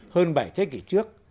hơn bảy thế kỷ trước